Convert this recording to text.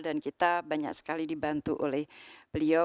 dan kita banyak sekali dibantu oleh beliau